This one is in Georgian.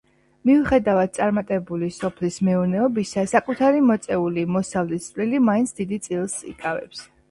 მიუხედავად წარმატებული სოფლის მეურნეობისა საკუთარი მოწეული მოსავლის წვლილი მაინც დიდ წილს იკავებს.